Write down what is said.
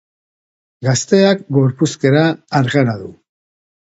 Gazteak gorpuzkera argala du.